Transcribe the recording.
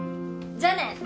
じゃあね。